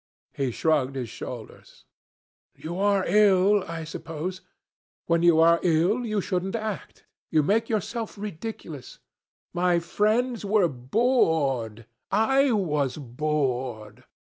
He shrugged his shoulders. "You are ill, I suppose. When you are ill you shouldn't act. You make yourself ridiculous. My friends were bored. I was bored."